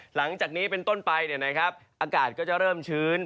หลังจากนี้เป็นต้นไปเนี่ยนะครับอากาศก็จะเริ่มชื้น